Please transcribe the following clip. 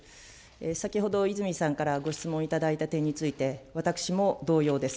先ほど、泉さんからご質問いただいた点について、私も同様です。